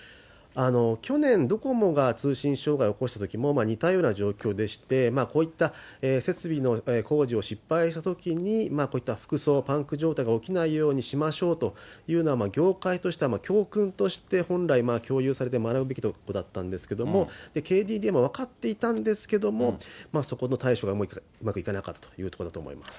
去年、ドコモが通信障害が起こしたときも、似たような状況でして、こういった設備の工事を失敗したときに、こういったふくそう、パンク状態が起きないようにしましょうというのは、業界としては教訓として本来、共有されて学ぶべきことだったんですけど、ＫＤＤＩも分かっていたんですけれども、そこの対処がうまくいかなかったということだと思います。